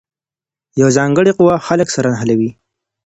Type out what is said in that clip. یوه ځانګړې قوه خلګ سره نښلوي.